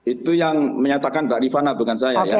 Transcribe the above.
itu yang menyatakan mbak rifana bukan saya ya